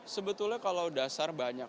sebetulnya kalau dasar banyak